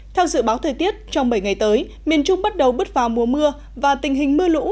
theo dự báo thời tiết trong bảy ngày tới miền trung bắt đầu bước vào mùa mưa và tình hình mưa lũ